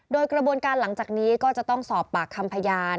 โดยกระบวนการหลังจากนี้ก็จะต้องสอบปากคำพยาน